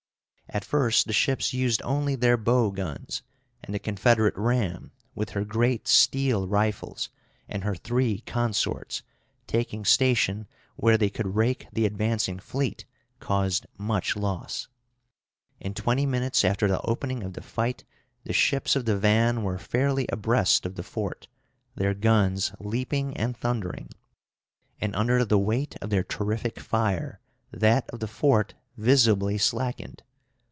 At first the ships used only their bow guns, and the Confederate ram, with her great steel rifles, and her three consorts, taking station where they could rake the advancing fleet, caused much loss. In twenty minutes after the opening of the fight the ships of the van were fairly abreast of the fort, their guns leaping and thundering; and under the weight of their terrific fire that of the fort visibly slackened.